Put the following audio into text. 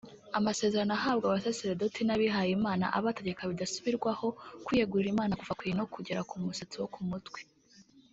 Amasezerano ahabwa abasaserodoti n’abihayimana abategeka bidasubirwaho kwiyegurira Imana kuva ku ino kugera ku musatsi wo ku mutwe